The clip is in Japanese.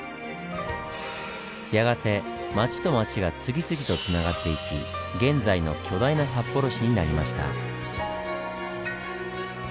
やがて町と町が次々とつながっていき現在の巨大な札幌市になりました。